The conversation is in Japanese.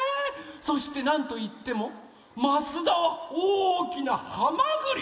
そしてなんといっても益田はおおきなハマグリ！